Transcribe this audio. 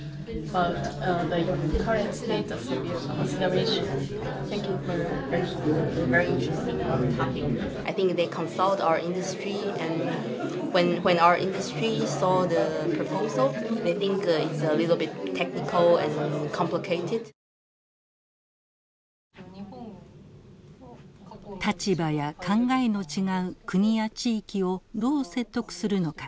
立場や考えの違う国や地域をどう説得するのか議論を重ねています。